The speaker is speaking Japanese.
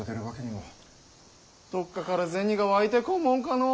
どっかから銭が湧いてこんもんかのう！